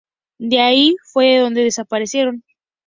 De ahí fue de donde desaparecieron.